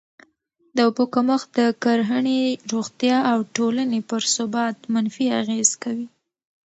د اوبو کمښت د کرهڼې، روغتیا او ټولني پر ثبات منفي اغېز کوي.